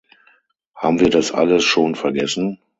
Haben wir das alles schon vergessen?